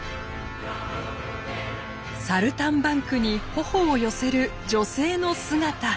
サルタンバンクに頬を寄せる女性の姿。